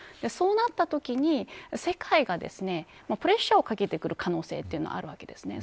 そうなったときに世界がプレッシャーをかけてくる可能性というのはあるわけです。